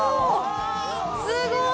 すごい！